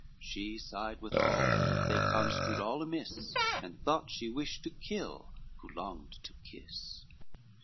She sighed withal, they construed all amiss, And thought she wished to kill, who longed to kiss.